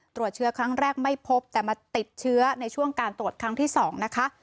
ตรวจเชื้อครั้งแรกไม่พบแต่มาติดเชื้อในช่วงการตรวจครั้งที่๒นะคะ